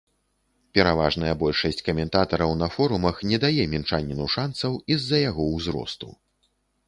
Пераважная большасць каментатараў на форумах не дае мінчаніну шанцаў і з-за яго ўзросту.